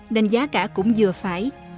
nên giá cả cũng vừa phải